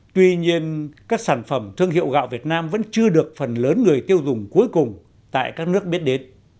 tuy nhiên các sản phẩm thương hiệu gạo việt nam vẫn chưa được phần lớn người tiêu dùng cuối cùng tại các nước biết đến